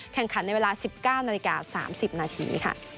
แข่งขันในเวลา๑๙นาฬิกา๓๐นาทีค่ะ